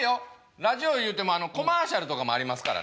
ラジオいうてもコマーシャルとかもありますからね。